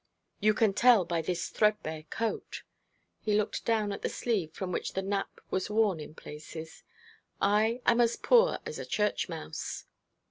You can tell by this threadbare coat' he looked down at the sleeve from which the nap was worn in places 'I am as poor as a church mouse.'